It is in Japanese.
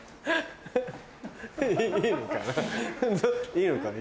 いいのかな？